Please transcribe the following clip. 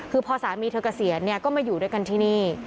คือพอสามีเธอเกษียณก็มาอยู่ด้วยกันที่นี่